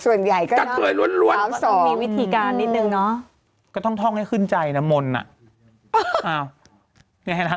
ส่วนใหญ่ก็ต้องมีวิธีการนิดหนึ่งเนอะทั้งให้ขึ้นใจนะมนต์น่ะ